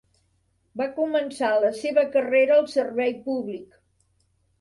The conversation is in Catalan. Va començar la seva carrera al servei públic.